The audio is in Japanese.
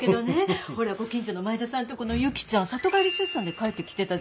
ほらご近所の前田さんとこの由紀ちゃん里帰り出産で帰ってきてたでしょ。